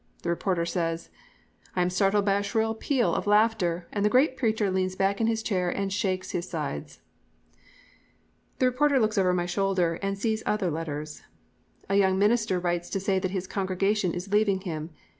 The reporter says: "I am startled by a shrill peal of laughter, and the great preacher leans back in his chair and shakes his sides." The reporter looks over my shoulder and sees other letters. "A young minister writes to say that his congregation is leaving him.